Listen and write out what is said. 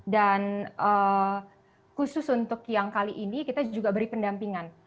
dan khusus untuk yang kali ini kita juga beri pendampingan